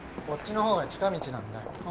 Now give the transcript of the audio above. こっちの方が近道なんだよ。